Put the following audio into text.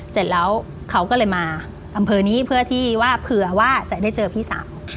เสร็จแล้วเขาก็เลยมาอำเภอนี้เพื่อที่ว่าเผื่อว่าจะได้เจอพี่สาว